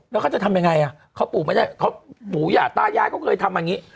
แล้วเขาจะทำยังไงเขาปูยาตราย้ายเขาเคยทำอย่างนี้